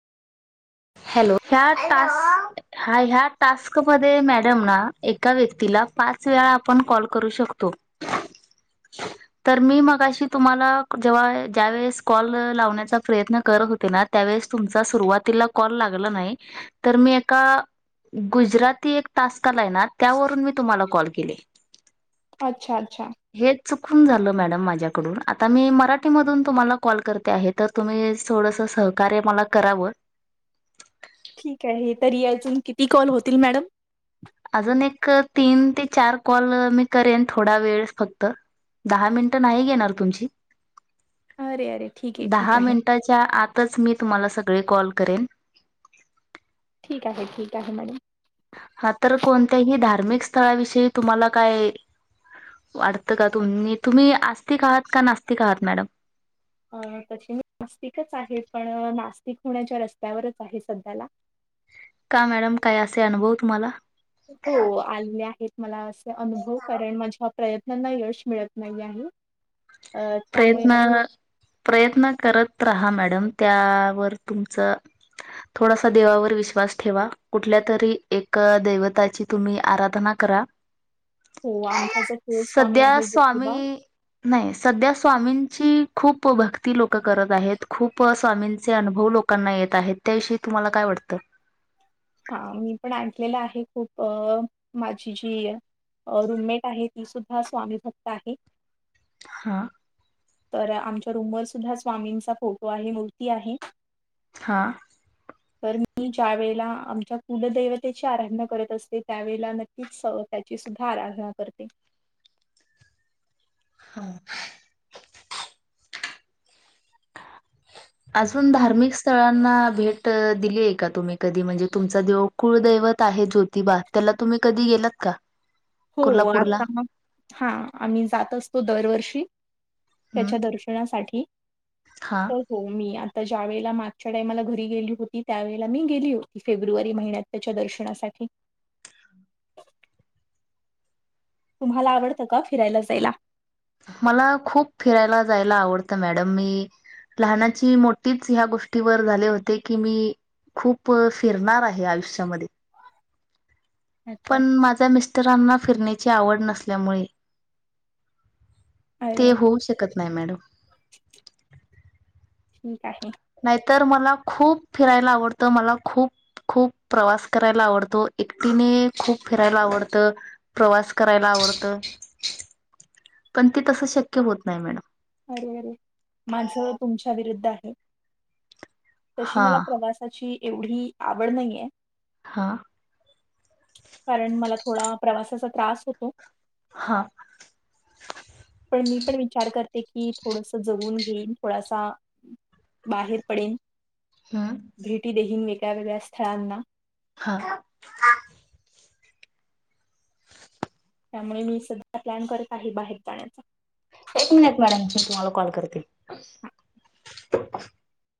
Hello? ह्या टास् ह ह्या टास्क मध्ये मॅडम ना एका व्यक्तीला पाच वेळा आपण कॉल करू शकतो. तर मी मगशी तुम्हाला जेव्हा ज्या वेळेस कॉल लावण्याचा प्रयत्न करत होते ना, त्यावेळेस तुमचा सुरुवातीला कॉल लागला नाही. तर मी एका गुजराती एक टास क आलाय ना त्यावरून मी तुम्हाला कॉल केले. अच्छा अच्छा. हे चुकून झालं मॅडम माझ्याकडून. आता मी मराठीमधून तुम्हाला कॉल करते आहे, तर तुम्ही थोडस सहकार्य मला करावं. ठीक आहे. तरी अजून किती कॉल होतील मॅडम? अजून एक, तीन ते चार कॉल मी करेन थोडा वेळ फक्त. दहा मिनटं नाही घेणार तुमची. अरे अरे ठीक आहे ठीक दहा आहे. मिनिटाच्या आतच मी तुम्हाला स सगळे कॉल करेन. ठीक आहे, ठीक आहे मॅडम. हा तर, कोणत्याही धार्मिक स्थळाविषयी तुम्हाला काय वाटतं का? तुम्ही तुम्ही आस्तिक आहात का नास्तिक आहात मॅडम? अ तशी मी आस्तिकच आहे, पण नास्तिक होण्याच्या रस्त्यावरच आहे सध्याला. का मॅडम? काय असे अनुभव तुम्हाला? हो आलेले आहेत. मला अनुभव, कारण माझ्या प्रयत्न त्यांना यश मिळत नाही आहे. अ त्यामुळे प्रयत्न माझा प्रयत्न करत रहा मॅडम. त्यावर तुमच थोडासा देवावर विश्वास ठेवा. कुठल्या तरी एक दैवताची तुम्ही आराधना करा. हो आमचा जो कुळ स्वामी सध्या आहे ज्योतिबा. स्वामी नाही सध्या स्वामींची खूप भक्ती लोक करत आहेत. खूप स्वामींचे अनुभव लोकांना येत आहेत, त्याविषयी तुम्हाला काय वाटत? हा मी पण ऐकलेलं आहे खूप. माझी जी रुममेट आहे, ती सुद्धा स्वामी भक्त आहे. हा. तर आमच्या रूमवर सुद्धा स्वामींचा फोटो आहे, मूर्ती आहे. हा. तर मी ज्या वेळेला आमच्या कुलदैवतेची आराधना करत असते, त्यावेळेला नक्कीच त्याची सुद्धा आराधना करते. हा, अजून तुम धार्मिक स्थळांना भेट दिली आहे का तुम्ही कधी? म्हणजे तुमचा देव कुळदैवत आहे ज्योतिबा, त्याला तुम्ही कधी गेलात का? हो, कोल्हापूरला आता म हा आम्ही जात असतो दरवर्षी. हम्म त्याच्या दर्शनासाठी, हा तर हो मी तर ज्या वेळेला मागच्या टाइमाला घरी गेली होती, त्यावेेळेला मी गेली होती फेब्रुवारी महिन्यात त्याच्या दर्शनासाठी. तुम्हाला आवडतं का फिरायला जायला? मला खूप फिरायला जायला आवडतं मॅडम. मी लहानाची मोठीच ह्या गोष्टीवर झाले होते, की मी खूप फिरणार आहे आयुष्यामध्ये. अच्छा. पण माझ्या मिस्टरांना फिरण्याची आवड नसल्यामुळे अरे ते अरे होऊ शकत नाही, मॅडम. ठीक आहे. नाहीतर मला खूप फिरायला आवडतं, मला खूप खूप प्रवास करायला आवडतो, एकटीने खूप फिरायला आवडत, प्रवास करायला आवडत, पण त तस शक्य होत नाही मॅडम. अरे, अरे, माझ तुमच्या विरुद्ध आहे. तशी हा मला प्रवासाची- एवढी आवड नाहीे. हा. कारण मला थोडा प्रवासाचा त्रास होतो. हा. प मी पण विचार करते की, थोडस जगून घेईन, थोडासा बाहेर पडेन. हम्म भेटी देहीन वे- वेगळ्या वेगळ्या स्थळांना हा. त्यामुळे मी सध्या प्लॅन करत आहे, बाहेर जाण्याचा. एक मिनिट मॅडम, मी तुम्हाला कॉल करते.